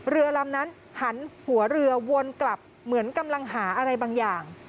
เรือลำนั้นหันหัวเรือวนกลับเหมือนกำลังหาอะไรบางอย่าง